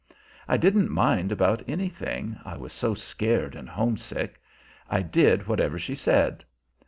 I didn't mind about anything, I was so scared and homesick; I did whatever she said.